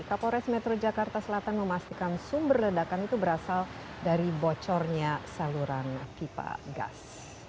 kapolres metro jakarta selatan memastikan sumber ledakan itu berasal dari bocornya saluran pipa gas